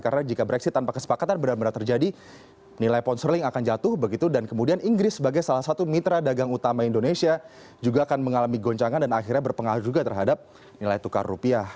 karena jika brexit tanpa kesepakatan benar benar terjadi nilai ponseling akan jatuh begitu dan kemudian inggris sebagai salah satu mitra dagang utama indonesia juga akan mengalami goncangan dan akhirnya berpengaruh juga terhadap nilai tukar rupiah